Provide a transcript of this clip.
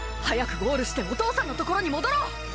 早くゴールしてお父さんのところに戻ろう！